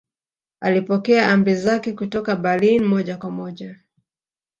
Alipokea amri zake kutoka Berlin moja kwa moja